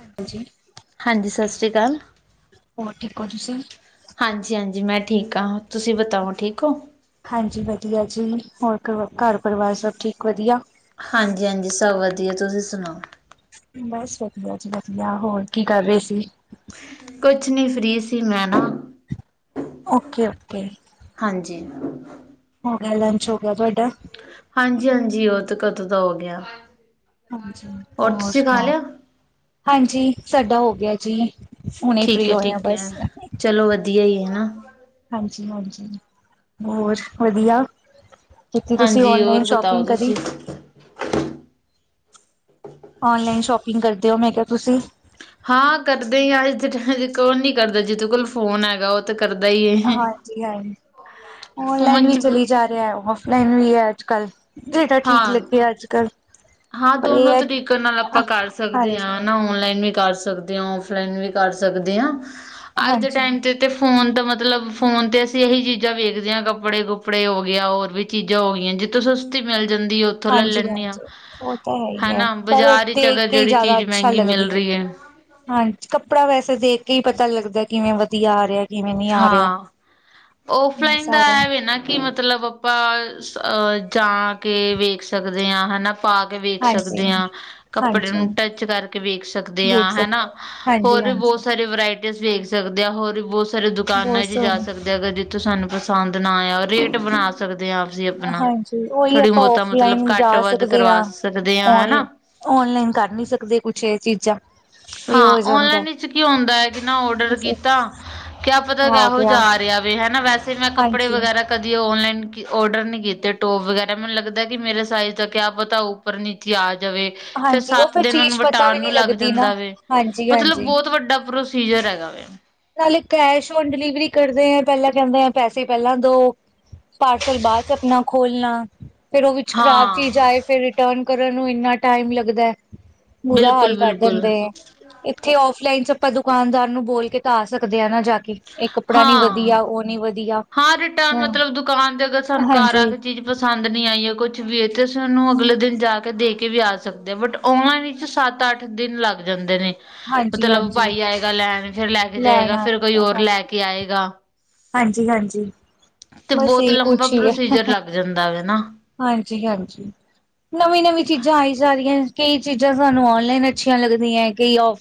ਹਾਂਜੀ ਜੀ। ਹਾਂਜੀ ਸਤਿ ਸ਼੍ਰੀ ਅਕਾਲ। ਹੋਰ ਠੀਕ ਹੋ ਤੁਸੀਂ। ਹਾਂਜੀ ਹਾਂਜੀ ਮੈਂ ਠੀਕ ਹਾਂ ਤੁਸੀਂ ਬਤਾਓ ਠੀਕ ਹੋ ਹਾਂਜੀ ਵਧੀਆ ਜੀ ਹੋਰਵਾ ਘਰ ਪਰਿਵਾਰ ਸਭ ਠੀਕ ਵਧੀਆ ਹਾਂਜੀ ਹਾਂਜੀ ਸਭ ਵਧੀਆ ਤੁਸੀਂ ਸੁਣਾਓ ਬਸ ਵਧੀਆ ਜੀ ਵਧੀਆ ਹੋਰ ਕੀ ਕਰ ਰਹੇ ਸੀ ਕੁਛ ਨੀ ਫਰੀ ਸੀ ਮੈਂ ਨਾ ਓਕੇ ਓਕੇ ਹਾਂਜੀ ਹਾਂ ਲੰਚ ਹੋ ਗਿਆ ਤੁਹਾਡਾ ਹਾਂਜੀ ਹਾਂਜੀ ਉਹ ਤੇ ਕਦੋਂ ਦਾ ਹੋ ਗਿਆ ਹਾਂਜੀ ਹੋਰ ਤੁਸੀਂ ਖਾ ਸੁਣਾਓ ਲਿਆ ਹਾਂਜੀ ਸਾਡਾ ਹੋ ਗਿਆ ਜੀ ਹੁਣੇ ਠੀਕ ਫ੍ਰਰੀ ਹੈ ਹੋਏ ਹਾ ਠੀਕ ਹੈ ਬਸ ਚਲੋ ਵਧੀਆ ਹੀ ਹੈ ਨਾ ਹਾਂਜੀ ਹਾਂਜੀ ਹੋਰ ਵਧੀਆ ਕੀਤੀ ਤੁਸੀਂ ਹਾਂਜੀ ਓਨਲਾਈਨ ਹੋਰ ਬਤਾਓ ਸ਼ੋਪਿੰਗ ਕਰੀ ਤੁਸੀਂ ਔਨਲਾਈਨ ਸ਼ੋਪਿੰਗ ਕਰਦੇ ਓ ਮੈਂ ਕੇਆ ਤੁਸੀਂ। ਹਾਂ ਕਰਦੇ ਈ ਆ ਜਿਟ ਕੌਣ ਨੀ ਕਰਦਾ ਜੀਦੇ ਕੋਲ ਫੋਨ ਹੈਗਾ ਉਹ ਕਰਦਾ ਈ ਹਾਂਜੀ-ਹਾਂਜੀ ਔਨਲਾਈਨ ਫੋਨ ਵੀ ਚ ਚਲੀ ਜਾ ਓਫਲਾਈਨ ਵੀ ਐ ਅੱਜ ਕੱਲ, ਜੇੜਾ ਠੀਕ ਹਾਂ ਲੱਗੇ ਅੱਜ ਕੱਲ ਹਾਂ ਪਰ ਇਹ ਦੋਨੋ ਹੈ ਤਰੀਕੇ ਨਾਲ ਆਪਾਂ ਕਰ ਸਕਦੇ ਆ ਹਾਂਜੀ ਨਾ ਓਨਲਾਈਨ ਵੀ ਕਰ ਸਕਦੇ ਹਾਂ ਓਫਲਾਈਨ ਵੀ ਕਰ ਸਕਦੇ ਹਾਂ, ਅੱਜ ਦੇ ਹਾਂਜੀ ਟਾਈਮ ਤੇ ਤੇ ਫੋਨ ਤਾਂ ਮਤਲਬ ਫੋਨ ਤੇ ਅਸੀਂ ਇਹੀ ਚੀਜ਼ਾਂ ਵੇਖਦੇ ਹਾਂ ਕੱਪੜੇ-ਕੁਪੜੇ ਹੋ ਗੇਆ ਹੋਰ ਵੀ ਚੀਜ਼ਾਂ ਹੋ ਗੀਆਂ ਜਿੱਥੋਂ ਸਸਤੀ ਮਿਲ ਜਾਂਦੀ ਏ ਉੱਥੋਂ ਲੈ ਹਾਂਜੀ ਲੈਂਨੀ ਆ। ਹਾਂਜੀ ਉਹ ਤਾਂ ਹੈ ਈ ਐ, ਪਰ ਦੇਖ ਅਗਰ ਕੇ ਈ ਜਿਹੜੀ ਜਾਦਾ ਚੀਜ਼ ਅੱਛਾ ਮਹਿੰਗੀ ਮਿਲ ਲੱਗਦੀ ਐ। ਰਹੀ ਹੈ ਹਾਂ ਕੱਪੜਾ ਵੈਸੇ ਦੇਖ ਕੇ ਈ ਪਤਾ ਲੱਗਦਾ ਕਿਵੇਂ ਵਧੀਆ ਆ ਰਿਹਾ ਏ। ਹਾਂ, ਓਫਲਾਈਨ ਦਾ ਸਾਰਾ ਐ ਵੇ ਨਾ ਕੀ ਮਤਲਬ ਆਪਾਂ, ਅਹ ਜਾ ਕੇ ਵੇਖ ਸਕਦੇ ਆ ਹਨਾ। ਪਾ ਕੇ ਵੇਖ ਹਾਂਜੀ ਸਕਦੇ ਆਂ, ਕੱਪੜੇ ਹਾਂਜੀ ਨੂੰ ਟੱਚ ਕਰਕੇ ਵੇਖ ਸਕਦੇ ਵੇਖ ਆਂ ਸਕਦੇ ਹਨਾ। ਹਾਂਜੀ ਹੋਰ ਵੀ ਬੋਤ ਹਾਂਜੀ ਸਾਰੇ ਵਰਾਇਟੀਸ ਵੇਖ ਸਕਦੇ ਆ ਹੋਰ ਵੀ ਬੋਤ ਸਾਰੇ ਦੁਕਾਨਾਂ ਬਹੁਤ ਚ ਜਾ ਸੋਹਣਾ ਸਕ। ਰ ਜਿੱਥੋ ਤੋਂ ਸਾਨੂੰ ਪਸੰਦ ਨਾ ਆਇਆ ਰੇਟ ਬਣਾ ਸਕਦੇ ਆਂ ਅਸੀਂ ਆਪਨਾ, ਹਾਂਜੀ ਉਹੀ ਥੋੜ੍ਹੀ ਆਪਾਂ ਬੋਤਾ ਮਤਲਬ ਔਫਲਾਈਨ ਘੱਟ ਜਾ ਵੱਧ ਸਕਦੇ ਕਰਵਾ ਹਾਂ ਸਕਦੇ ਆਂ ਔਨ ਹਨਾ। ਔਨਲਾਈਨ ਕਰ ਨੀ ਸਕਦੇ ਕੁਛ ਇਹ ਚੀਜ਼ਾਂ। ਇਹ ਹੋ ਹਾਂ ਜਾਂਦਾ ਓਨਲਾਈਨ ਚ ਕੀ ਹੌਦਾ ਐ ਕਿ ਨਾ ਔਡਰ ਕੀਤਾ ਕਿਆ ਪਤਾ ਆ ਕੈਹੋ ਗਿਆ ਜਾ ਆ ਰਿਹਾ ਵੇ ਹਨਾ ਵੈਸੇ ਮੈਂ ਕੱਪੜੇ ਹਾਂਜੀ ਵਗੈਰਾ ਕਦੀ ਔਨਲਾਈਨ ਕੀ ਔਡਰ ਨੀ ਕੀਤੇ ਟੋਪ ਵਗੈਰਾ ਮੈਨੂੰ ਲੱਗਦਾ ਕਿ ਮੇਰੇ ਸਾਈਜ਼ ਦਾ ਕਿਆ ਪਤਾਊ ਪ੍ਰਨੀਤੀ ਆ ਜਾਵੇ ਫੇ ਹਾਂਜੀ ਉਹ ਸੱਤ ਫਿਰ ਦਿਨ ਓਨੂੰ ਚੀਜ਼ ਪਤਾ ਵੀ ਵਟਾਣ ਨੂੰ ਨਹੀਂ ਲੱਗ ਲੱਗਦੀ ਨਾ ਜਾਂਦਾ ਵੇ। ਹਾਂਜੀ ਮਤਲਬ ਹਾਂਜੀ ਬੋਤ ਵੱਡਾ ਪ੍ਰੋਸੀਜਰ ਹੈਗਾ ਵੇ। ਨਾਲੇ ਕੈਸ਼ ਓਨ ਡਿਲੀਵਰੀ ਕਰਦੇ ਆ ਪੈਲਾਂ ਕੈਂਦੇ ਆ ਪੈਸੇ ਪੈਲਾਂ ਦੋ ਪਾਰਸਲ ਬਾਅਚ ਆਪਨਾ ਖੋਲਨਾ ਫੇਰ ਓ ਵਿੱਚ ਖ਼ਰਾਬ ਹਾਂ ਚੀਜ਼ ਆਏ ਫੇ ਰਿਟਰਨ ਕਰਨ ਨੂੰ ਇੰਨਾ ਟਾਈਮ ਲੱਗਦਾ ਐ, ਬੁਰਾ ਹਾਲ ਬਿਲਕੁਲ ਕਰ ਬਿਲਕੁਲ ਦੇਂਦੇ ਆ। ਇੱਥੇ ਔਫਲਾਈਨ ਚ ਆਪਾਂ ਦੁਕਾਨਦਾਰ ਨੂੰ ਬੋਲ ਕੇ ਤਾਂ ਆ ਸਕਦੇ ਹਾਂ ਨਾ ਜਾ ਏ ਕੱਪੜਾ ਨੀ ਹਾਂ ਵਦੀਆ ਓ ਨੀ ਵਦੀਆ। ਹਾਂ ਰਿਟਰਨ ਮਤਲਬ ਦੁਕਾਨ ਦੇ ਅਗਰ ਸਾਨੂੰ ਘਰ ਆ ਹਾਂਜੀ। ਕੇ ਚੀਜ਼ ਪਸੰਦ ਨੀ ਆਈ ਐ ਕੁਛ ਵੀ ਤੇ ਅਸੀਂ ਓਨੂੰ ਅਗਲੇ ਦਿਨ ਜਾ ਕੇ ਦੇ ਕੇ ਵੀ ਆ ਸਕਦੇ ਆ ਬਟ ਓਨਾਂ ਵਿੱਚ ਸੱਤ-ਅੱਠ ਦਿਨ ਲੱਗ ਜਾਂਦੇ ਨੇ। ਮਤਲਬ ਹਾਂਜੀ-ਹਾਂਜੀ ਭਾਈ ਆਏਗਾ ਲੈਣ ਫਿਰ ਲੈ ਕੇ ਜਾਏਗਾ ਲੈਣਾ ਫੇਰ ਕੋਈ ਹੋਰ ਲੈ ਹਾਂਜੀ, ਕੇ ਆਏਗਾ। ਹਾਂਜੀ-ਹਾਂਜੀ। ਤੇ ਬਸ ਬੋਤ ਇਹ ਲੰਬਾ ਕੁਛ ਹੀ ਹੈ ਪ੍ਰੋਸੀਜਰ ਲੱਗ ਜਾਂਦਾ ਵੇ ਨਾ। ਹਾਂਜੀ-ਹਾਂਜੀ। ਨਵੀਂ-ਨਵੀਂ ਚੀਜ਼ਾਂ ਆਈ ਜਾ ਰੀਆਂ ਕਈ ਚੀਜ਼ਾਂ ਸਾਨੂੰ ਔਨਲਾਈਨ ਅੱਛੀਆਂ ਲੱਗਦੀਆਂ ਕਈ ਔਫ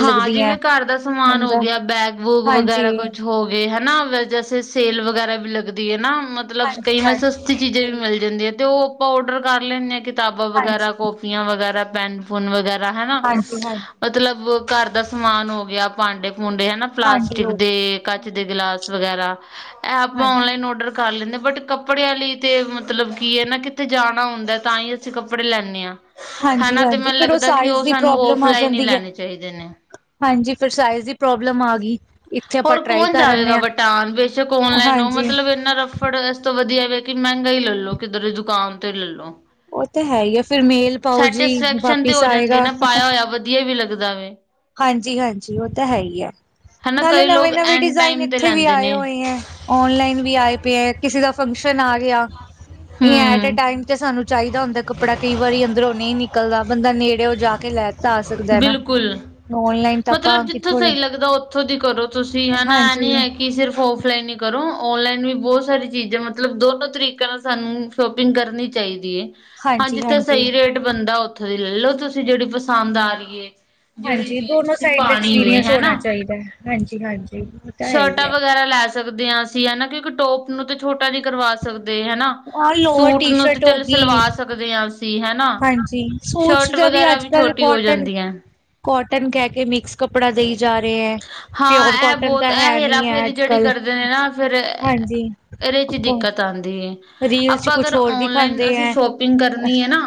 ਹਾਂ ਜਿਵੇਂ ਘਰ ਦਾ ਸਮਾਨ ਹੋ ਬੰਦਾ ਗਿਆ ਬੈਗ ਵੂਗ ਹਾਂਜੀ, ਵਗੈਰਾ ਕੁਛ ਹੋ ਗੇ ਹਨਾ ਜ ਸੇਲ ਵਗੈਰਾ ਵੀ ਲੱਗਦੀ ਐ ਨਾ ਮਤਲਬ ਕਈ ਮੈ ਹਾਂਜੀ-ਹਾਂਜੀ ਸਸਤੀ ਚੀਜ਼ਾਂ ਵੀ ਕਈ ਮਿਲ ਜਾਂਦੀ ਐ ਤੇ ਓ ਆਪਾਂ ਓਡਰ ਕਰ ਲੈਂਦੇ ਹਾਂ ਕਿਤਾਬਾਂ ਵਗੈਰਾ ਹਾਂਜੀ, ਕੌਪੀਆਂ ਵਗੈਰਾ ਪੈਨ ਪੁਨ ਵਗੈਰਾ ਹੈਨਾ ਹਾਂਜੀ-ਹਾਂਜੀ ਮਤਲਬ, ਘਰ ਦਾ ਸਮਾਨ ਹੋ ਗਿਆ ਭਾਂਡੇ ਭੂਂਡੇ ਹਨਾ ਭਾਂਡੇ ਪਲਾਸਟਿਕ ਹੋ ਦੇ ਗਏ ਕੱਚ ਦੇ ਹੂੰ ਗਿਲਾਸ ਵਗੈਰਾ, ਐ ਆਪਾਂ ਹਾਂਜੀ। ਔਨਲਾਈਨ ਔਡਰ ਕਰ ਲੈਂਨੇ ਬਟ ਕੱਪੜੇਆਂ ਲਈ ਤੇ ਮਤਲਬ ਕੀ ਐ ਨਾ ਕਿਤੇ ਜਾਣਾ ਹੌਦਾ ਤਾਂਈ ਅਸੀਂ ਕੱਪੜੇ ਲੈਂਨੇ ਆਂ। ਹੈਨਾ ਤੇ ਹਾਂਜੀ-ਹਾਂਜੀ ਮੈਨੂੰ ਫਿਰ ਉਹ ਲੱਗਦਾ ਕਿ ਸਾਈਜ਼ ਓ ਦੀ ਸਾਨੂੰ ਪ੍ਰੋਬਲਮ ਆ ਔਫਲਾਈਨ ਹੀ ਜਾਂਦੀ ਹੈ। ਲੈਣੇ ਚਾਹੀਦੇ ਨੇ ਹਾਂਜੀ ਫੇਰ ਸਾਈਜ਼ ਦੀ ਪ੍ਰੋਬਲਮ ਆ ਗੀ। ਹੋਰ ਕੌਣ ਜਾਵੇਗਾ ਵਟਾਨ ਬੇਸ਼ੱਕ ਔਨਲਾਈਨ ਉਹ ਹਾਂਜੀ। ਮਤਲਬ ਇਨਾਂ ਫੜ ਇਸ ਤੋਂ ਵਧੀਆ ਵੀ ਕਿ ਮਹਿੰਗਾ ਹੀ ਲੈਲੋ ਕਿੱਧਰੇ ਦੁਕਾਨ ਤੇ ਲੈਲੋ ਉਹ ਤਾਂ ਹੈ ਹੀ ਆ, ਫਿਰ ਮੇਲ ਪਾਓ ਜੀ ਸੈਟਿਸਫੈਕਸ਼ਨ ਤੇ ਵਾਪਿਸ ਹੋ ਜਾਂਦੀ ਹੈ ਆਏਗਾ। ਨਾ ਪਾਇਆ ਹੋਇਆ ਵਧੀਆ ਵੀ ਲੱਗਦਾ ਵੇ ਹਾਂਜੀ-ਹਾਂਜੀ ਉਹ ਤਾਂ ਹੈ ਹੀ ਹੈ। ਹਨਾ ਨਾਲੇ ਕਈ ਲੋਕ ਨਵੇਂ-ਨਵੇਂ ਐਂਡ ਡਿਜ਼ਾਇਨ ਟਾਈਮ ਤੇ ਇੱਥੇ ਵੀ ਲੈਂਦੇ ਆਏ ਨੇ ਹੋਏ ਹੈ। ਔਨਲਾਈਨ ਵੀ ਆਏ ਪਏ ਆ, ਕਿਸੇ ਦਾ ਫੰਕਸ਼ਨ ਆ ਗਿਆ ਇਹ ਐਟੇ ਹੂੰ ਟਾਈਮ ਤੇ ਸਾਨੂੰ ਚਾਹੀਦਾ ਹੁੰਦਾ, ਕੱਪੜਾ ਕਈ ਵਾਰੀ ਅੰਦਰੋਂ ਨਹੀਂ ਨਿਕਲਦਾ ਬੰਦਾ ਨੇੜੇਓ ਜਾ ਕੇ ਲੈ ਤਾਂ ਆ ਸਕਦਾ ਨਾ ਬਿਲਕੁਲ ਔਨਲਾਈਨ ਤਾਂ ਆਪਾਂ ਮਤਲਬ ਜਿੱਥੋਂ ਕਿੱਥੋਂ ਲੈ ਸਹੀ ਲੱਗਦਾ ਉੱਥੋਂ ਦੀ ਕਰੋ ਤੁਸੀਂ ਹੈਨਾ ਐ ਨੀ ਹੈ ਕਿ ਸਿਰਫ ਔਫਲਾਈਨ ਹੀ ਕਰੋ। ਔਨਲਾਈਨ ਵੀ ਬਹੁਤ ਸਾਰੀ ਚੀਜ਼ਾਂ ਮਤਲਬ ਦੋਨੋ ਤਰੀਕਿਆ ਨਾਲ ਸਾਨੂੰ ਸ਼ੋਪਿੰਗ ਕਰਨੀ ਚਾਹੀਦੀ ਹੈ। ਹਾਂਜੀ, ਜਿਥੇ ਹਾਂਜੀ-ਹਾਂਜੀ-ਹਾਂਜੀ। ਸਹੀ ਰੇਟ ਬੰਨਦਾ ਉੱਥੋਂ ਦੀ ਲੈ ਲਓ ਤੁਸੀਂ ਜਿਹੜੀ ਪਸੰਦ ਆ ਰਹੀ ਏ। ਜਿਹੜੀ ਹਾਂਜੀ ਚੀਜ਼ ਦੋਨੋ ਤੁਸੀਂ ਸਾਈਡ ਦਾ ਪਾਣੀ ਵੇ ਐਕਸਪੀਰੀਅੰਸ ਹਨਾ। ਹੋਣਾ ਚਾਹੀਦਾ ਹੈਂ। ਹਾਂਜੀ-ਹਾਂਜੀ ਸ਼ਰਟਾਂ ਵਗੈਰਾ ਲੈ ਸਕਦੇ ਹਾਂ। ਅਸੀਂ ਹਨਾ ਕਿ ਟੋਪ ਨੂੰ ਤੇ ਛੋਟਾ ਨੀ ਕਰਵਾ ਸਕਦੇ ਹਨਾ। ਆਹ ਲੋਅਰ ਸੂਟ ਟੀ ਨੂੰ ਤੇ ਸ਼ਰਟ ਹੋ ਚੱਲ ਗਈ ਸਲਵਾ ਸਕਦੇ ਹਾ। ਅਸੀਂ ਹਨਾ ਹਾਂਜੀ, ਸੂਟਸ ਸ਼ਰਟ ਦਾ ਵੀ ਵਗੈਰਾ ਅੱਜ ਕੱਲ੍ਹ ਛੋਟੀ ਹੋ ਕੋਟਨ ਜਾਂਦੀਆਂ। ਕੋਟਨ ਕਹਿ ਕੇ ਮਿਕਸ ਕੱਪੜਾ ਦੇਈ ਜਾ ਰਹੇ ਏ। ਹਾਂ, ਇਹ ਬਹੁਤ ਇਹ ਹੇਰਾ ਫੇਰੀ ਅੱਜ ਜਿਹੜੀ ਕੱਲ ਕਰਦੇ ਨੇ ਨਾ ਫੇਰ ਹਾਂਜੀ ਇਹਦੇ ਚ ਉਹ ਦਿੱਕਤ ਆਉਂਦੀ ਏ। ਰੀਲ ਚ ਆਪਾਂ ਕੁਛ ਅਗਰ ਹੋਰ ਔਨਲਾਈਨ ਦਿਖਾਉਂਦੇ ਅਸੀਂ ਹੈ ਸ਼ੋਪਿੰਗ ਕਰਨੀ ਹੈ। ਨਾ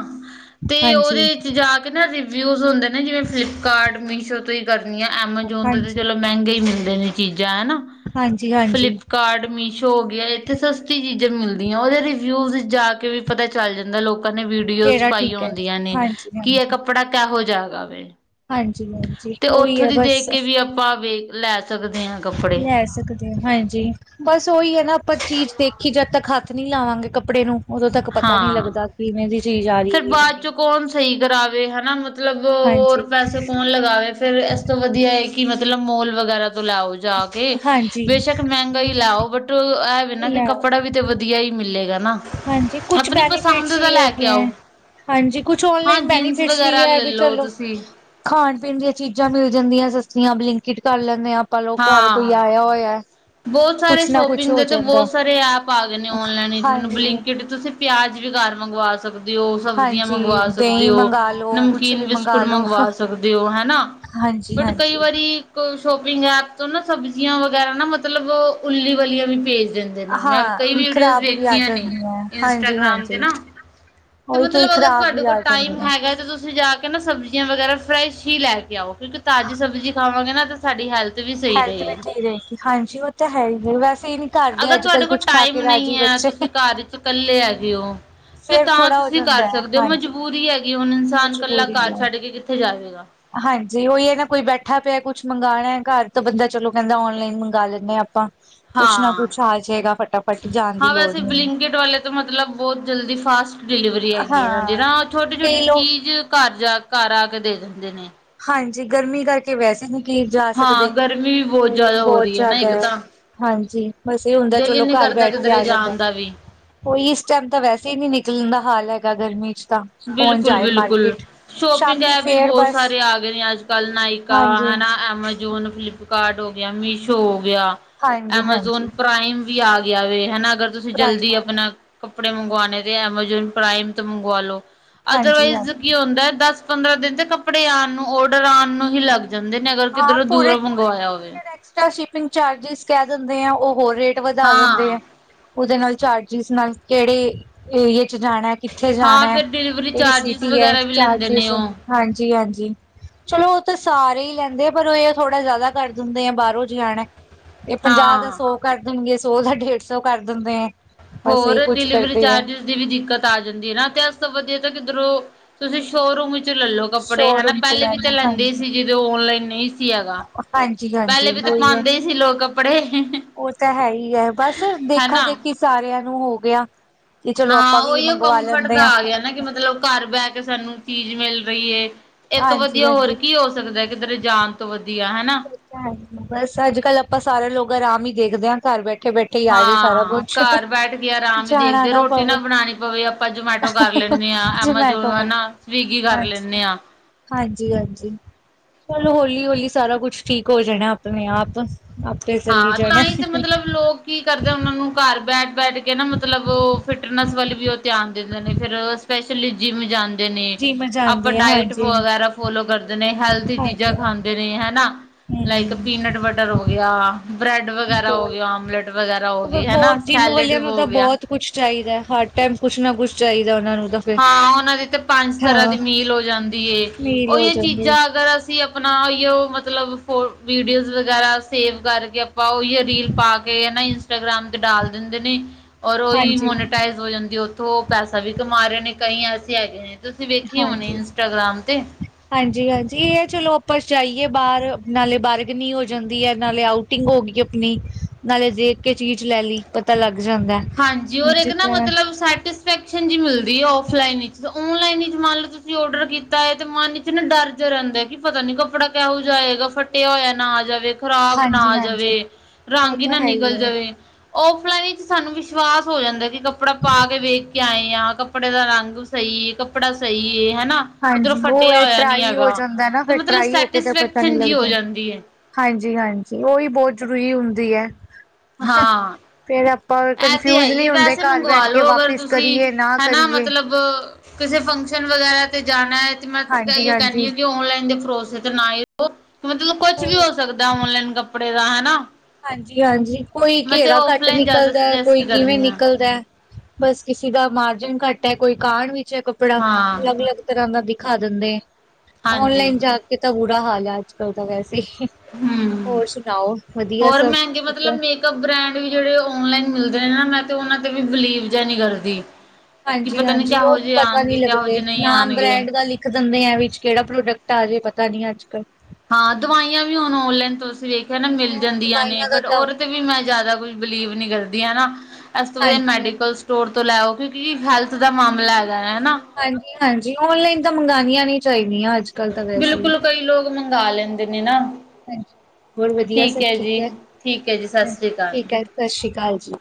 ਤੇ ਉਹਦੇ ਹਾਂਜੀ ਵਿੱਚ ਜਾ ਕੇ ਨਾ ਰਿਵਿਊ ਹੁੰਦੇ ਨੇ, ਜਿਵੇਂ ਫਲਿੱਪਕਾਰਟ ਮੀਸ਼ੋ ਤੋਂ ਹੀ ਕਰਨੀ ਆ ਐਮਾਜੋਨ ਤੋਂ ਹਾਂਜੀ ਮਹਿੰਗੇ ਹੀ ਮਿਲਦੇ ਨੇ ਚੀਜ਼ਾਂ ਹਨਾ। ਹਾਂਜੀ-ਹਾਂਜੀ ਕਾਰਡ ਮੀਸ਼ੋ ਹੋ ਗਿਆ, ਇੱਥੇ ਸਸਤੀ ਚੀਜ਼ਾਂ ਮਿਲਦੀਆਂ ਉਹਦੇ ਰਿਵਿਊਜ਼ ਜਾ ਕੇ ਵੀ ਪਤਾ ਚੱਲ ਜਾਂਦਾ ਲੋਕ ਲੋਕਾਂ ਨੇ ਵੀਡੀਓਸ ਕਿਹੜਾ ਪਾਈਆ ਠੀਕ ਹੈ ਹੁੰਦੀਆਂ ਨੇ, ਹਾਂਜੀ ਕੀ ਇਹ ਹਾਂਜੀ ਕੱਪੜਾ ਕਿਹੋ ਜਿਹਾ ਹੈਗਾ ਵੇ ਹਾਂਜੀ ਮੈਮ ਤੇ ਉੱਥੋਂ ਦੀ ਦੇਖ ਕੇ ਵੀ ਆਪਾਂ ਵੇਖ ਲੈ ਸਕਦੇ ਹਾਂ। ਕੱਪੜੇ ਲੈ ਸਕਦੇ ਹੋ ਹਾਂਜੀ, ਬਸ ਉਹੀ ਹੈ ਨਾ ਆਪਾਂ ਚੀਜ਼ ਦੇਖੀ ਜਦ ਤੱਕ ਹਥ ਨੀ ਲਾਵਾਂਗੇ ਕੱਪੜੇ ਨੂੰ ਉਦੋਂ ਤੱਕ ਪਤਾ ਨੀ ਹਾਂ ਲੱਗਦਾ ਕਿਵੇਂ ਦੀ ਚੀਜ਼ ਆ। ਰਹੀ ਫਿਰ ਹੈ, ਕਿਵੇਂ ਬਾਅਦ ਨਹੀਂ ਚ ਕੌਣ ਸਹੀ ਕਰਾਵੇ ਹਨਾ। ਮਤਲਬ ਹਾਂਜੀ ਹੋਰ ਪੈਸੇ ਕੌਣ ਲਗਾਵੇ ਫੇਰ ਇਸ ਤੋਂ ਵਧੀਆ ਹੈ ਕਿ ਮਤਲਬ ਮੋਲ ਵਗੈਰਾ ਤੋਂ ਲੈ ਆਓ ਜਾ ਕੇ ਹਾਂਜੀ ਬੇਸ਼ੱਕ ਮਹਿੰਗਾ ਹੀ ਲੈ ਆਉ ਬਟ ਇਹ ਵੀ ਨਾ ਕਿ ਲੈ ਕੱਪੜਾ ਵੀ ਤੇ ਵਧੀਆ ਹੀ ਮਿਲੇਗਾ ਨਾ ਹਾਂਜੀ, ਕੁਛ ਆਪਣੀ ਬੈਨੀਫਿਟਸ ਪਸੰਦ ਦਾ ਵੀ ਲੈ ਕੇ ਹੈਗੇ ਆਓ ਹੈ। ਹਾਂਜੀ, ਕੁਛ ਹਾਂ ਔਨਲਾਈਨ ਜੀਨਸ ਬੈਨੀਫਿਟਸ ਵੀ ਵਗੈਰਾ ਇਹ ਲੈ ਵੀ ਲਓ ਚਲੋ ਤੁਸੀਂ ਖਾਣ-ਪੀਣ ਦੀਆਂ ਚੀਜ਼ਾਂ ਮਿਲ ਜਾਂਦੀਆਂ ਸਸਤੀਆਂ, ਬਲਿੰਕਿਟ ਕਰ ਲੈਂਦੇ ਹਾਂ। ਪਾ ਲਓ, ਘਰ ਕੋਈ ਹਾਂ ਆਇਆ ਹੋਇਆ ਬਹੁਤ ਸਾਰੇ ਕੁਛ ਨਾ ਕੁਛ ਸ਼ੋਪਿੰਗ ਦੇ ਹੋ ਤੇ ਜਾਂਦਾ ਬਹੁਤ ਸਾਰੇ ਐਪ ਆ ਗਏ ਨੇ, ਔਨਲਾਈਨ ਹਾਂਜੀ ਬਲਿੰਕ ਜਿਵੇ ਤੁਸੀਂ ਪਿਆਜ ਵੀ ਘਰ ਮੰਗਵਾ ਸਕਦੇ ਹੋ, ਸਬਜ਼ੀਆਂ ਹਾਂਜੀ ਮੰਗਵਾ ਸਕਦੇ ਦਹੀਂ ਹੋ, ਮੰਗਵਾ ਲੋ ਕੁਛ ਨਮਕੀਨ ਵੀ ਬਿਸਕੁਟ ਮੰਗਵਾ ਸਕਦੇ ਹੋ ਹੈਨਾ। ਹਾਂਜੀ-ਹਾਂਜੀ ਕੋਈ ਸ਼ੋਪਿੰਗ ਐਪ ਤੋਂ ਨਾ ਸਬਜ਼ੀਆਂ ਵਗੈਰਾ ਨਾ ਮਤਲਬ ਉੱਲੀ ਵਾਲੀਆਂ ਵੀ ਭੇਜ ਦਿੰਦੇ ਮੈਂ ਹਾਂ ਕਈ ਵੀਡੀਓਜ਼ ਖ਼ਰਾਬ ਵੀ ਆ ਵੇਖੀਆਂ ਨੇ, ਜਾਂਦੀਆਂ ਇੰਸਟਾਗ੍ਰਾਮ ਹਾਂਜੀ-ਹਾਂਜੀ ਤੇ ਨਾ ਤੇ ਉਹੀ ਕਈ ਮਤਲਬ ਅਗਰ ਖ਼ਰਾਬ ਤੁਹਾਡੇ ਵੀ ਕੋਲ ਆ ਟਾਈਮ ਜਾਂਦੀਆਂ। ਹੈਗਾ ਤੇ ਤੁਸੀਂ ਤੁਸੀਂ ਜਾ ਕੇ ਨਾ ਸਬਜ਼ੀਆਂ ਵਗੈਰਾ ਫਰੈਸ਼ ਹੀ ਲੈ ਕੇ ਆਓ। ਕਿਉਂਕਿ ਤਾਜ਼ੀ ਸਬਜ਼ੀ ਖਾਵਾਂਗੇ ਨਾ ਸਾਡੀ ਹੈਲਥ ਵੀ ਸਹੀ ਹੈਲਥ ਵੀ ਰਹੇਗੀ। ਠੀਕ ਰਹੇਗੀ ਹਾਂਜੀ ਉਹ ਤਾਂ ਹੈ ਹੀ ਹੈ ਵੈਸੇ ਇਹ ਵੀ। ਅਗਰ ਤੁਹਾਡੇ ਕੋਲ ਟਾਈਮ ਨਹੀਂ ਹੈ ਤੁਸੀਂ ਘਰ ਵਿੱਚ ਇਕੱਲੇ ਹੈਗੇ ਹੋ। ਤੇ ਫੇਰ ਤਾਂ ਥੋੜਾ ਹੋ ਤੁਸੀਂ ਕਰ ਜਾਂਦਾ ਹੈ ਸਕਦੇ ਹੋ। ਹਾਂਜੀ ਉਹ ਮਜਬੂਰੀ ਹੈਗੀ ਹੁਣ ਇਨਸਾਨ ਕੱਲਾ ਜ਼ਰੂਰੀ ਘਰ ਹੈ ਛੱਡ ਕੇ ਕਿੱਥੇ ਜਾਵੇਗਾ। ਹਾਂਜੀ ਉਹੀ ਹੈ ਨਾ ਕੋਈ ਬੈਠਾ ਪਿਆ ਕੁਛ ਮੰਗਉਣਾ ਘਰ ਤਾਂ ਬੰਦਾ ਚਲੋ ਕਹਿੰਦਾ ਔਨਲਾਈਨ ਮੰਗ ਲੈਂਦੇ ਹਾਂ ਆਪਾਂ। ਕੁਛ ਨਾ ਹਾਂ ਕੁਛ ਆ ਜਾਏਗਾ ਫਟਾਫਟ ਜਾਣ ਦੀ ਹਾਂ ਲੋੜ ਵੈਸੇ ਨਹੀਂ। ਬਲਿੰਕਟ ਵਾਲੇ ਤਾਂ ਮਤਲਬ ਬਹੁਤ ਜਲਦੀ ਫਾਸਟ ਡਿਲੀਵਰੀ ਹੈਗੀ ਹੈ ਉਹਦੀ ਹਾਂ ਨਾ ਛੋਟੀ ਛੋਟੀ ਕਈ ਲੋਕ ਚੀਜ਼ ਘਰ ਜਾ ਕੇ। ਘਰ ਆ ਕੇ ਦੇ ਦਿੰਦੇ ਨੇ। ਹਾਂਜੀ ਗਰਮੀ ਕਰਕੇ ਵੈਸੇ ਨਹੀਂ ਅਸੀਂ ਜਾ ਹਾਂ ਸਕਦੇ ਗਰਮੀ ਵੀ ਬਹੁਤ ਜ਼ਿਆਦਾ ਹੋ ਬਹੁਤ ਰਹੀ ਹੈ ਨਾ ਜ਼ਿਆਦਾ। ਇੱਕ ਤਾਂ ਹਾਂਜੀ ਬਸ ਇਹ ਹੁੰਦਾ ਦਿਲ ਹੀ ਚਲੋ ਨੀ ਘਰ ਕਰਦਾ ਬੈਠ ਕੇ ਕਿਧਰੇ ਆ ਜਾਂਦਾ। ਜਾਣ ਦਾ ਵੀ ਕੋਈ ਇਸ ਟਾਈਮ ਤਾਂ ਵੈਸੇ ਹੀ ਨਹੀਂ ਨਿਕਲਣ ਦਾ ਹੱਲ ਹੈਗਾ ਗਰਮੀ 'ਚ ਤਾਂ। ਕੌਣ ਬਿਲਕੁਲ ਜਾਏ ਬਿਲਕੁਲ ਮਾਰਕੀਟ ਸ਼ੋਪਿੰਗ ਸ਼ਾਮੀ ਐਪ ਵੀ ਫੇਰ ਬਹੁਤ ਬਸ ਸਾਰੇ ਆ ਗਏ। ਨੇ ਅੱਜ ਕੱਲ੍ਹ ਨਾਇਕਾ ਹਾਂਜੀ ਹਨਾ, ਐਮਾਜੋਨ, ਫਲਿੱਪਕਾਰਟ ਹੋ ਗਿਆ, ਮੀਸ਼ੋ ਹੋ ਗਿਆ। ਹਾਂਜੀ ਹਾਂਜੀ ਐਮਾਜ਼ੋਨ ਪਾਈਮ ਵੀ ਆ ਗਿਆ ਵੇ ਹਨਾ ਅਗਰ ਤੁਸੀਂ ਪੁਰਾਣੇ ਜਲਦੀ ਆਪਣਾ। ਕੱਪੜੇ ਮੰਗਵਾਉਣੇ ਤੇ ਐਮਾਜੋਨ ਪ੍ਰਾਈਮ ਤੋਂ ਮੰਗਵਾ ਲੋ ਹਾਂਜੀ ਅਦਰਵਾਈਜ਼ ਕੀ ਹਾਂਜੀ ਹੁੰਦਾ ਹੈ ਦਸ। ਪੰਦਰਾਂ ਦਿਨ ਤੇ ਕੱਪੜੇ ਆਉਣ ਨੂੰ ਔਡਰ ਆਉਣ ਨੂੰ ਹੀ ਲੱਗ ਜਾਂਦੇ ਨੇ ਅਗਰ ਕਿੱਧਰੋਂ ਦੂਰੋਂ ਮੰਗਵਾਇਆ ਹੋਵੇ। ਇੱਕ ਤਾਂ ਸ਼ਿਪਿੰਗ ਚਾਰਜਿਸ ਕਹਿ ਦਿੰਦੇ ਆ ਉਹ ਹੋਰ ਰੇਟ ਵਧਾ ਦਿੰਦੇ ਆ। ਹਾਂ। ਉਹਦੇ ਨਾਲ ਚਾਰਜਿਸ ਨਾਲ ਕਿਹੜੇ ਏਰੀਏ 'ਚ ਜਾਣਾ। ਕਿੱਥੇ ਹਾਂ ਜਾਣਾ, ਫਿਰ ਡਿਲੀਵਰੀ ਜਿਹੜੀ ਚਾਰਜਿਸ ਸਿਟੀ ਹੈ ਵਗੈਰਾ ਵੀ ਲੈਂਦੇ ਨੇ ਚਾਰਜਿਸ। ਉਹ ਹਾਂਜੀ ਹਾਂਜੀ ਚਲੋ ਉਹ ਤਾਂ ਸਾਰੇ ਹੀ ਲੈਂਦੇ। ਲੈਂਦੇ ਹਾਂ ਪਰ ਉਹ ਇਹ ਥੋੜਾ ਜਿਆਦਾ ਕਰ ਦਿੰਦੇ ਆ ਬਾਹਰੋਂ ਜੇ ਆਉਣਾ ਇਹ ਪੰਜਾਹ ਦਾ ਹਾਂ। ਸੌ ਕਰ ਦੇਣਗੇ। ਸੌ ਦਾ ਡੇਢ ਸੌ ਕਰ ਦਿੰਦੇ ਆ। ਬਸ ਹੋਰ ਇਹੀ ਕੁਛ ਡਿਲੀਵਰੀ ਕਰਦੇ ਹੈ ਚਾਰਜਿਸ। ਦੀ ਵੀ ਦਿੱਕਤ ਆ ਜਾਂਦੀ ਹੈ ਨਾ ਤੇ ਇਸ ਤੋਂ ਵਧੀਆ ਤਾਂ ਕਿੱਧਰੋਂ ਤੁਸੀਂ ਸ਼ੋਰੂਮ ਵਿੱਚ ਲੈ ਲੋ। ਕੱਪੜੇ ਹਨਾ ਸ਼ੋਰੂਮ ਚ ਪਹਿਲੇ ਲੈ ਵੀ ਤਾਂ ਲੋ ਲੈਂਦੇ ਹੀ ਹਾਂਜੀ। ਸੀ ਜਦੋਂ ਔਨਲਾਈਨ ਨਹੀਂ ਸੀ ਹੈਗਾ ਹਾਂਜੀ ਪਹਿਲੇ ਹਾਂਜੀ ਵੀ ਤਾਂ ਉਹੀ ਹੈ। ਪਾਉਂਦੇ ਹੀ ਸੀ ਲੋਕ। ਕੱਪੜੇ। ਉਹ ਤਾਂ ਹੈ ਹੀ ਹੈ ਬਸ ਦੇਖਾ ਹਨਾ ਦੇਖੀ ਸਾਰਿਆਂ ਨੂੰ ਹੋ ਗਿਆ। ਕਿ ਚਲੋ ਆਪਾਂ ਹਾਂ ਵੀ ਉਹੀ ਉਹ ਮੰਗਵਾ ਕੰਫਰਟ ਲੈਂਦੇ ਦਾ ਹਾਂ ਆ ਗਿਆ ਨਾ ਕਿ ਮਤਲਬ ਘਰ ਬਹਿ ਕੇ ਸਾਨੂੰ ਚੀਜ਼ ਮਿਲ ਰਹੀ ਹੈ। ਇਹ ਤੋਂ ਹਾਂਜੀ ਵਧੀਆ ਹੋਰ ਹਾਂਜੀ ਕੀ ਹੋ ਸਕਦਾ ਕਿੱਧਰੇ ਜਾਣ ਤੋਂ ਵਧੀਆ ਹਨਾ। ਬਸ ਅੱਜ ਕੱਲ ਆਪਾਂ ਸਾਰੇ ਲੋਕ ਆਰਾਮ ਹੀ ਦੇਖਦੇ ਹਾਂ। ਘਰ ਬੈਠੇ ਬੈਠੇ ਹੀ ਆ ਜੇ ਸਾਰਾ ਹਾਂ ਕੁਛ ਘਰ ਬੈਠ ਕੇ ਆਰਾਮ ਹੀ ਜਾਣਾ ਦੇਖਦੇ ਰੋਟੀ ਨਾ ਪਵੇ ਬਣਾਉਣੀ ਪਵੇ। ਆਪਾਂ ਜਮੈਟੋ ਕਰ ਲੈਂਦੇ ਹਾਂ, ਜਮੈਟੋ ਦਾ ਐਮਾਜੋਨ ਨਾ, ਸਵੀਗੀ ਕਰ ਹਾਂਜੀ ਲੈਂਦੇ ਹਾਂ। ਹਾਂਜੀ ਹਾਂਜੀ ਚਲੋ ਹੋਲੀ ਹੋਲੀ ਸਾਰਾ ਕੁਛ। ਕੁਛ ਠੀਕ ਹੋ ਜਾਣਾ ਆਪਣੇ ਆਪ। ਆਪੇ ਚੱਲੀ ਹਾਂ ਤਾਂ ਜਾਣਾ ਹੀ ਤੇ ਮਤਲਬ ਲੋਕ ਕੀ ਕਰਦੇ ਉਹਨਾਂ ਨੂੰ। ਘਰ ਬੈਠ ਬੈਠ ਕੇ ਨਾ ਮਤਲਬ ਉਹ ਫਿਟਨੈਸ ਵੱਲ ਵੀ ਉਹ ਧਿਆਨ ਦਿੰਦੇ ਨੇ ਫਿਰ। ਫੇਰ ਜਿੰਮ ਜਾਂਦੇ ਨੇ, ਜਿਮ ਆਪਾਂ ਜਾਂਦੇ ਆ ਡਾਇਟ ਹਾਂਜੀ ਵਗੈਰਾ। ਫੋਲੋ ਕਰਦੇ ਨੇ ਹੈਲਥੀ ਚੀਜ਼ਾਂ ਹਾਂਜੀ ਖਾਂਦੇ ਨੇ ਹਨਾ, ਲਾਈਕ ਹਮ ਪੀਨਟ ਬਟਰ ਹੋ ਗਿਆ। ਬ੍ਰੈਡ ਵਗੈਰਾ ਹੋਰ ਹੋ ਗਿਆ, ਆਮਲੇਟ ਵਗੈਰਾ ਹੋ ਗਏ ਹਨਾ, ਸੈਲਡ ਹੋ ਗਿਆ। ਕੁੱਛ ਚਾਹੀਦਾ ਹੈ। ਹਰ ਟਾਈਮ ਕੁਛ ਨਾ ਕੁਛ ਚਾਹੀਦਾ ਉਹਨਾਂ ਨੂੰ ਤਾਂ। ਫਿਰ ਹਾਂ ਉਹਨਾਂ ਦੀ ਤੇ ਪੰਜ ਤਰ੍ਹਾਂ ਹਾਂ ਦੀ ਮੀਲ ਹੋ ਜਾਂਦੀ ਏ, ਨੀਲ ਉਹੀ ਹੋ ਇਹ ਜਾਂਦੇ ਚੀਜ਼ਾਂ ਅਗਰ। ਅਸੀਂ ਆਪਣਾ ਉਹੋ ਮਤਲਬ ਫੋਨ ਵੀਡੀਓ ਵਗੈਰਾ ਸੇਵ ਕਰਕੇ। ਪਾਉ ਜਾਂ ਰੀਲ ਪਾ ਕੇ ਹਨਾ ਇੰਸਟਾਗ੍ਰਾਮ ਤੇ ਡਾਲ ਦਿੰਦੇ ਨੇ। ਔਰ ਉਹੀ ਹਾਂਜੀ ਮੋਨੀਟਾਈਜ਼ ਹੋ ਜਾਂਦੀ। ਉਥੋਂ ਪੈਸਾ ਵੀ ਕਮਾ ਰਹੇ ਨੇ ਕਈ ਐਸੇ ਹੈਗੇ ਨੇ ਤੁਸੀਂ ਵੇਖੇ ਹੋਣੇ ਹਾਂਜੀ ਇੰਸਟਾਗ੍ਰਾਮ ਤੇ। ਹਾਂਜੀ ਹਾਂਜੀ ਇਹ ਹੈ। ਚਲੋ ਆਪਸ ਜਾਈਏ ਬਾਹਰ ਨਾਲੇ ਬਾਰਗਨੀ ਹੋ ਜਾਂਦੀ ਹੈ ਨਾਲੇ ਆਊਟ। ਆਊਟਿੰਗ ਹੋ ਗਈ ਆਪਣੀ, ਨਾਲੇ ਦੇਖ ਕੇ ਚੀਜ਼ ਲੈ ਲਈ, ਪਤਾ ਲੱਗ ਜਾਂਦਾ ਐ ਹਾਂਜੀ, ਔਰ ਇੱਕ ਨਾ ਮਤਲਬ ਸਸ ਸਟਕਸ਼ਨ ਜਿਹੀ ਮਿਲਦੀ ਹੈ ਔਫਲਾਈਨ ਚ, ਔਨਲਾਈਨ ਹੀ ਮੰਨ ਲਓ ਤੁਸੀਂ ਔਡਰ ਕੀਤਾ ਹੈ ਤੇ ਮਨ ਮੈਨੂੰ ਡਰ ਜ ਰਹਿੰਦਾ, ਕਿ ਪਤਾ ਨੀ ਕੱਪੜਾ ਕਿਹੋ ਜਿਹਾ ਆਏਗਾ, ਫੱਟਿਆ ਹੋਇਆ ਨਾ ਆ ਜਾਵੇ ਖ਼ਰਾਬ ਨਾ ਹਾਂਜੀ ਆ ਜਾਵੇ, ਹਾਂਜੀ ਉਹ ਰੰਗ ਹੀ ਤਾਂ ਨਾ ਹੈ ਨਿਕਲ ਹੈ ਜਾਵੇ, ਔਫਲਾਈਨ ਸਾਨੂੰ ਵਿਸ਼ਵਾਸ ਹੋ ਜਾਂਦਾ, ਕਿ ਕੱਪੜਾ ਪਾ ਕੇ ਵੇਖ ਕੇ ਆਏ ਆ, ਕੱਪੜੇ ਦਾ ਰੰਗ ਸਹੀ। ਏ, ਕੱਪੜਾ ਸਹੀ ਹੈ ਹਨਾ। ਕਿਧਰੋਂ ਹਾਂਜੀ, ਉਹ ਫਟਿਆ ਹੈ ਹੋਇਆ ਨੀ ਟਰਾਈ ਹੋ ਹੈਗਾ ਜਾਂਦਾ ਨਾ, ਤੇ ਫਿਰ ਮਤਲਬ ਟਰਾਈ ਹੋ ਕੇ ਤੇ, ਪਤਾ ਨਹੀ ਸੈਟਿਸਫੈਕਸ਼ਨ ਜੀ ਹੋ ਲੱਗਦਾ ਜਾਂਦੀ ਹੈ ਹਾਂਜੀ-ਹਾਂਜੀ ਉਹੀ ਬਹੁਤ ਜ਼ਰੂਰੀ ਹੁੰਦੀ ਹੈ। ਹਾਂ। ਫੇਰ ਆਪਾਂ ਐ ਤੇ ਹੈ ਕਨਫਿਊਜ ਹੀ ਏ। ਨਹੀਂ ਹੁੰਦੇ ਵੈਸੇ ਘਰ ਬੈਠ ਮੰਗਵਾ ਕੇ ਲੋ, ਅਗਰ ਵਾਪਿਸ ਤੁਸੀਂ ਕਰੀਏ ਨਾ ਹਨਾ ਕਰੀਏ। ਮਤਲਬ ਕਿਸੇ ਫੰਕਸ਼ਨ ਵਗੈਰਾ ਤੇ ਜਾਣਾ ਹੈ, ਤੇ ਮੈਂ ਹਾਂਜੀ ਹਾਂਜੀ ਕਹਿੰਦੀ ਔਨਲਾਇਨ ਦੇ ਭਰੋਸੇ ਤੇ ਨਾ ਹੀ ਉਹ ਮਤਲਬ, ਕੁਛ ਵੀ ਹੋ ਸਕਦਾ, ਔਨਲਾਈਨ ਕੱਪੜੇ ਦਾ ਹਨਾ ਹਾਂਜੀ--ਹਾਂਜੀ। ਕੋਈ ਮੈਂ ਤੇ ਘੇਰਾ ਘੱਟ ਔਫਲਾਈਨ ਜ਼ਿਆਦਾ ਨਿਕਲਦਾ, ਕੋਈ ਸੁਜੈਸਟ ਕਿਵੇਂ ਕਰਨੀ ਆ ਨਿਕਲਦਾ ਬੱਸ, ਕਿਸੇ ਦਾ ਮਾਰਜਨ ਘੱਟ ਹੈ, ਕੋਈ ਕਾਣ ਵਿੱਚ ਹੈ ਕੱਪੜਾ, ਹਾਂ ਅਲੱਗ- ਅਲੱਗ ਕਿਸ ਤਰ੍ਹਾਂ ਦਾ ਦਿਖਾ ਦਿੰਦੇ, ਹਾਂਜੀ ਔਨਲਾਈਨ ਜਾ ਕੇ ਤਾਂ ਬੁਰਾ ਹਾਲ ਹੈ, ਅੱਜ- ਕੱਲ ਤਾਂ ਵੈਸੇ ਹੀ ਹਮ ਹੋਰ ਸੁਣਾਓ? ਵਧੀਆ ਹੋਰ ਸਭ ਮਹਿੰਗੇ ਠੀਕ ਹੈ। ਮਤਲਬ ਇਕ ਬ੍ਰਡ ਵੀ ਜਿਹੜੇ ਔਨਲਾਈਨ ਮਿਲਦੇ ਨੇ ਨਾ, ਮੈਂ ਤੇ ਉਹਨਾਂ ਤੇ ਵੀ, ਬਿਲੀਵ ਜਿਹਾ ਨਈ ਕਰਦੀ ਕਿ ਪਤਾ ਨੀ ਹਾਂਜੀ-ਹਾਂਜੀ ਉਹ ਕਿਹੋ ਵੀ ਜਿਹੇ ਪਤਾ ਨੀ ਆਉਣਗੇ ਕਿਹੋ ਲੱਗਦੇ, ਜਿਹੇ ਨਹੀਂ ਨਾਮ ਆਉਣਗੇ ਬ੍ਰੈਂਡ ਦਾ ਲਿਖ ਇੱਕ ਦਿਨ ਵਿੱਚ ਕਿਹੜਾ ਪ੍ਰੋਡਕਟ ਆ ਜਾਏ ਪਤਾ ਨਈ ਅੱਜ- ਕੱਲ ਹਾਂ, ਦਵਾਈਆਂ ਵੀ ਹੁਣ ਓਨਲਾਈਨ ਤੋਂ ਅਸੀਂ ਵੇਖ ਹਨਾ, ਮਿਲ ਹਾਂ ਜਾਂਦੀਆਂ ਨੇ ਦਵਾਈਆਂ ਦਾ ਬਟ ਤਾਂ ਉਹਨਾਂ ਤੇ ਵੀ ਮੈਂ, ਜ਼ਿਆਦਾ ਕੋਈ ਬਿਲੀਵ ਨੀ ਕਰਦੀ ਹਨਾ ਇਸ ਤੋਂ ਵਧੀਆਂ, ਹਾਂਜੀ ਹਾਂਜੀ ਮੈਡੀਕਲ ਸਟੋਰ ਤੋਂ ਲੈ ਆਓ ਕਿਉਂਕਿ, ਹੈਲਥ ਦਾ ਮਾਮਲਾ ਹੈਗਾ ਹੈ ਹਨਾ ਹਾਂਜੀ-ਹਾਂਜੀ ਔਨਲਾਈਨ ਤਾਂ, ਮੰਗਉਣੀਆਂ ਨਹੀ ਚਾਹੀਦੀਆਂ ਅੱਜ ਕੱਲ੍ਹ ਤਾਂ ਵੈਸੇ ਹੀ ਬਿਲਕੁਲ, ਕਈ ਲੋਕ ਮੰਗਵਾ ਲੈਂਦੇ ਨੇ ਨਾ, ਹਾਂਜੀ। ਹੋਰ ਵਧੀਆ ਠੀਕ ਸਭ ਹੈ ਜੀ-ਠੀਕ ਹੈ ਜੀ। ਸਤਿ ਹਾਂਜੀ ਸ਼੍ਰੀ ਅਕਾਲ। ਠੀਕ ਹੈ ਸਤਿ ਸ਼੍ਰੀ ਅਕਾਲ ਜੀ।